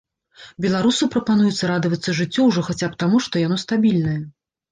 Беларусу прапануецца радавацца жыццю ўжо хаця б таму, што яно стабільнае.